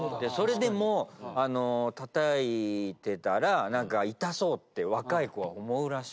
それでもたたいてたら痛そうって若い子は思うらしい。